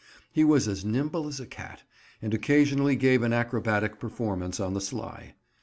He was as nimble as a cat, and occasionally gave an acrobatic performance on the sly.